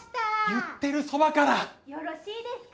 言ってるそばからよろしいですか？